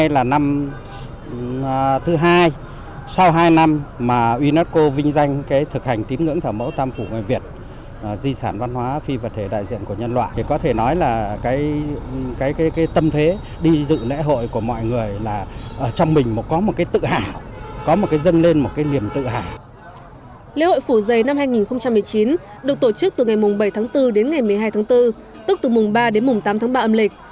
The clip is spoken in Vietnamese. lễ hội phủ dây năm hai nghìn một mươi chín được tổ chức từ ngày bảy tháng bốn đến ngày một mươi hai tháng bốn tức từ mùng ba đến mùng tám tháng ba âm lịch